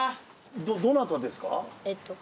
どなたですか？